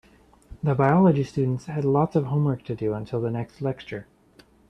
The biology students had lots of homework to do until the next lecture.